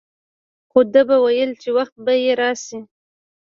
خو ده به ويل چې وخت به يې راسي.